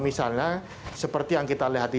misalnya seperti yang kita lihat